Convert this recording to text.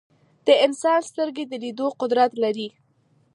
د انسان سترګې د لیدلو قدرت لري.